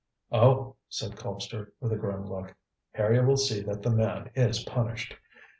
"Oh!" said Colpster, with a grim look, "Harry will see that the man is punished.